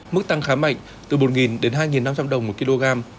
mức tăng khá mạnh từ một đến hai năm trăm linh đồng một kg